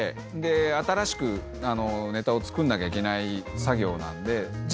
新しくネタを作んなきゃいけない作業なんで。